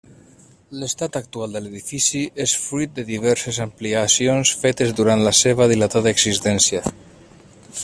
L'estat actual de l'edifici és fruit de diverses ampliacions fetes durant la seva dilatada existència.